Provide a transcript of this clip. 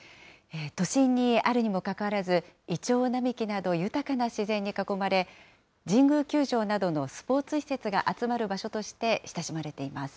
都心にあるにもかかわらず、イチョウ並木など、豊かな自然に囲まれ、神宮球場などのスポーツ施設が集まる場所として親しまれています。